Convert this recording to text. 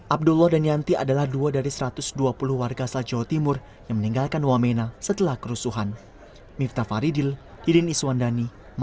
abdullah dan yanti adalah dua dari satu ratus dua puluh warga asal jawa timur yang meninggalkan wamena setelah kerusuhan